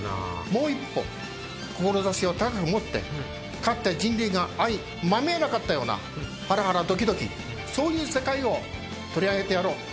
もう一歩志を高く持ってかつて人類が相まみえなかったようなハラハラドキドキそういう世界を取り上げてやろう。